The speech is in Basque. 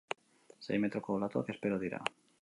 Sei metroko olatuak espero dira.